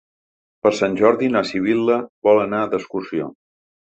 Per Sant Jordi na Sibil·la vol anar d'excursió.